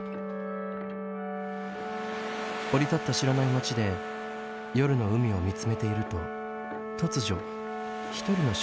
降り立った知らない街で夜の海を見つめていると突如一人の少女が現れます